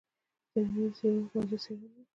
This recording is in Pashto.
ځینې نور څېړونکي موضوع څېړلې ده.